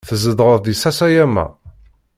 Tzedɣeḍ di Sasayama?